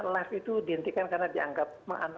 live itu dihentikan karena dianggap